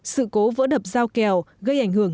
sự cố vỡ đập dao kèo gây ảnh hưởng